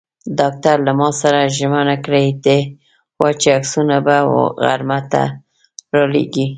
ډاکټر له ما سره ژمنه کړې وه چې عکسونه به غرمه را لېږي.